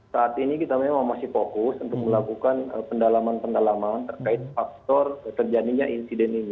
saat ini kita memang masih fokus untuk melakukan pendalaman pendalaman terkait faktor terjadinya insiden ini